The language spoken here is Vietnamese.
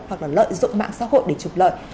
hoặc là lợi dụng mạng xã hội để trục lợi